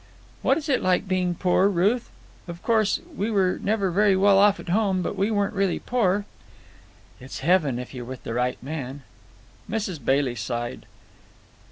"What is it like being poor, Ruth? Of course, we were never very well off at home, but we weren't really poor." "It's heaven if you're with the right man." Mrs. Bailey sighed.